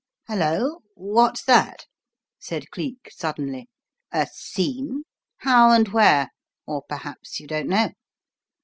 "Hello, what's that?" said Cleek, suddenly. "A 'scene'? How and where? — or perhaps you don't know?"